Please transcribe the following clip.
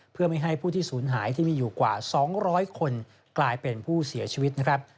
เพื่อไม่ให้ผู้ที่ศูนย์หายที่มีอยู่กว่า๒๐๐คนกลายเป็นผู้เสียชีวิตนะครับ